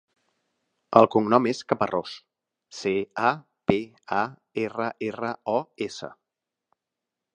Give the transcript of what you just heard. El cognom és Caparros: ce, a, pe, a, erra, erra, o, essa.